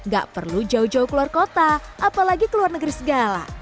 gak perlu jauh jauh keluar kota apalagi ke luar negeri segala